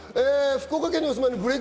福岡県にお住まいのブレイク